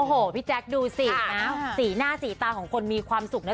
โอ้โหพี่แจ๊คดูสิสีหน้าสีตาของคนมีความสุขนะ